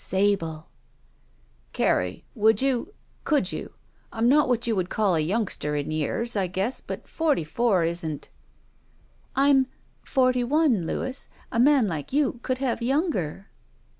Sable !"*' Carrie — ^would you — could you — I'm not what you would call a youngster in years, I guess, but forty four isn't —" *'I'm — ^forty one, Louis. A man like you could have yoimger."